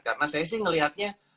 karena saya sih ngelihatnya